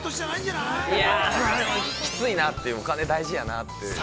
◆いや、でもきついなって、お金大事やなって。